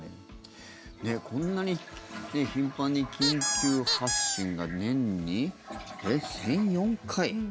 こんなに頻繁に緊急発進が年に１００４回。